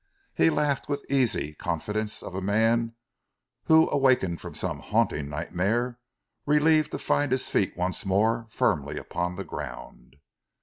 He laughed with the easy confidence of a man awakened from some haunting nightmare, relieved to find his feet once more firm upon the ground.